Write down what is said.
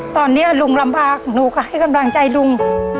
ตอนนี้ลุงลำบากหนูก็ให้กำลังใจลุง